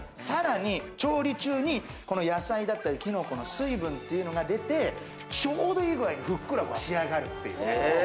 さらに調理中にこの野菜だったりキノコの水分っていうのが出て、ちょうどいい具合にふっくら仕上がるっていうね。